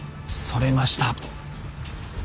それました。